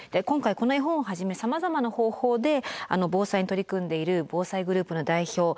今回この絵本をはじめさまざまな方法で防災に取り組んでいる防災グループの代表